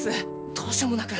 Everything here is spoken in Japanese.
どうしようもなく。